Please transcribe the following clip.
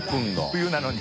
冬なのに。